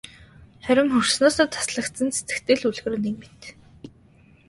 Харин хөрснөөсөө таслагдсан цэцэгтэй л үлгэр нэг мэт.